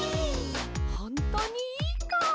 ほんとにいいか？